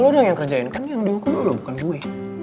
lo yang kerjain kan yang diukur lo bukan gue